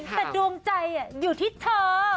แต่ดวงใจอยู่ที่เธอ